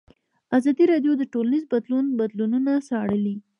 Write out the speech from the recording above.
ازادي راډیو د ټولنیز بدلون بدلونونه څارلي.